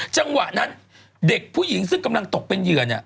จังหวะนั้นเด็กผู้หญิงซึ่งกำลังตกเป็นเหยื่อเนี่ย